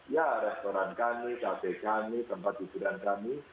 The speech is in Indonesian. ya restoran kami cafe kami tempat hiburan kami